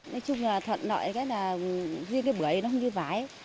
nói chung là thuận lợi cái là riêng cái bưởi nó không như vái